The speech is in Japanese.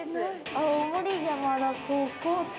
「青森山田高校店」。